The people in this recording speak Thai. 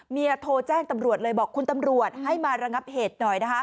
โทรแจ้งตำรวจเลยบอกคุณตำรวจให้มาระงับเหตุหน่อยนะคะ